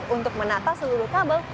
untuk menata seluruh kabel